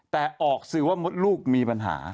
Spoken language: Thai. แต่ออกสื่อว่ามดลูกมีปัญหา